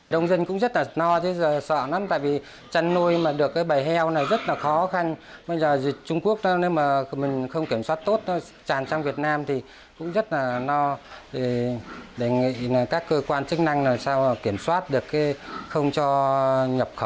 đồng nai có tổng đàn lợn hơn hai hai triệu con